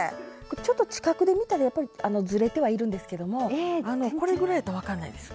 ちょっと近くで見たらやっぱりずれてはいるんですけどもあのこれぐらいやったら分かんないです。